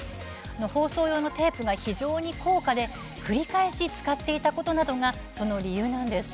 放送用のテープが非常に高価で繰り返し使っていたことなどがその理由です。